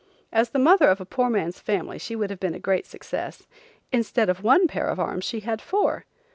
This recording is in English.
As the mother of a poor man's family she would have been a great success. Instead of one pair of arms she had four.